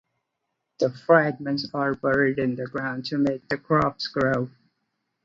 The fragments are buried in the ground to make the crops grow.